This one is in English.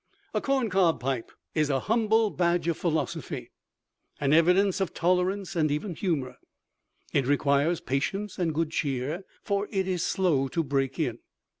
A corncob pipe is a humble badge of philosophy, an evidence of tolerance and even humor. It requires patience and good cheer, for it is slow to "break in."